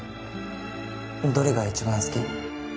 どれが一番好き？